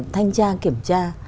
thanh tra kiểm tra